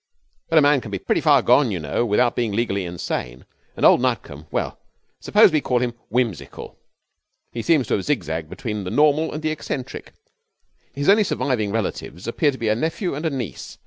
But a man can be pretty far gone, you know, without being legally insane, and old Nutcombe well, suppose we call him whimsical. He seems to have zigzagged between the normal and the eccentric. 'His only surviving relatives appear to be a nephew and a niece.